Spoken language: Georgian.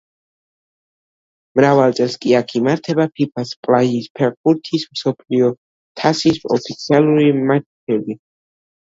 მრავალ წელს კი აქ იმართება ფიფას პლაჟის ფეხბურთის მსოფლიო თასის ოფიციალური მატჩები.